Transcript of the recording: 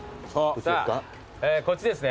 こっちですね。